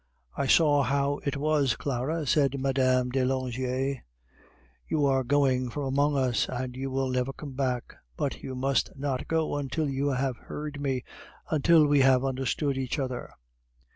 "I saw how it was, Clara," said Mme. de Langeais. "You are going from among us, and you will never come back. But you must not go until you have heard me, until we have understood each other."